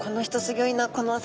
ギョいな